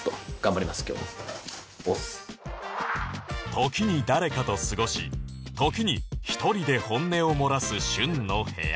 時に誰かと過ごし時に一人で本音を漏らす舜の部屋